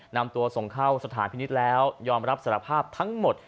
นำตัวส่งเข้าสถานพินิษฐ์แล้วยอมรับสารภาพทั้งหมด